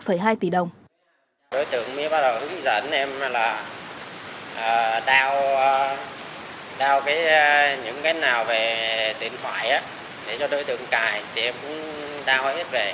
đối tượng mới bắt đầu hướng dẫn em là đao những cái nào về tiền khoản để cho đối tượng cài thì em cũng đao hết về